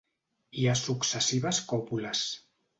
Hi ha successives còpules.